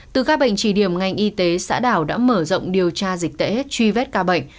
từ các bệnh chỉ điểm ngành y tế xã đảo đã mở rộng điều tra dịch tễ truy vết ca bệnh